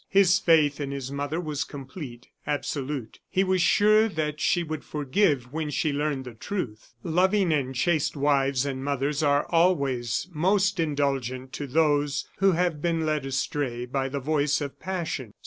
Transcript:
His faith in his mother was complete, absolute; he was sure that she would forgive when she learned the truth. Loving and chaste wives and mothers are always most indulgent to those who have been led astray by the voice of passion.